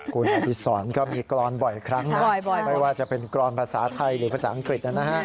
คุณอดีศรก็มีกรอนบ่อยครั้งนะไม่ว่าจะเป็นกรอนภาษาไทยหรือภาษาอังกฤษนะฮะ